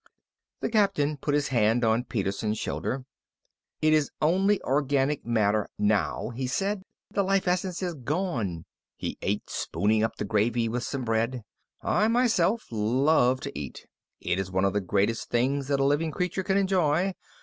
The Captain put his hand on Peterson's shoulder. "It is only organic matter, now," he said. "The life essence is gone." He ate, spooning up the gravy with some bread. "I, myself, love to eat. It is one of the greatest things that a living creature can enjoy.